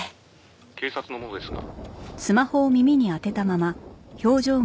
「警察の者ですが」